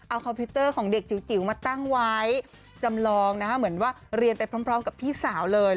เอาคอมพิวเตอร์ของเด็กจิ๋วมาตั้งไว้จำลองนะคะเหมือนว่าเรียนไปพร้อมกับพี่สาวเลย